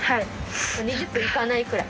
２０分いかないくらい。